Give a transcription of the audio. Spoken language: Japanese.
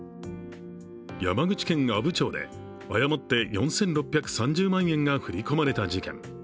山口県阿武町で誤って４６３０万円が振り込まれた事件。